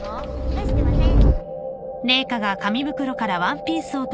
出してません